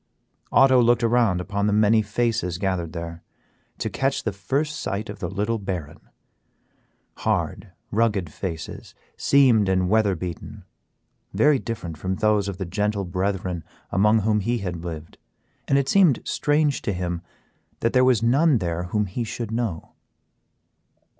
Otto looked around upon the many faces gathered there to catch the first sight of the little baron; hard, rugged faces, seamed and weather beaten; very different from those of the gentle brethren among whom he had lived, and it seemed strange to him that there was none there whom he should know.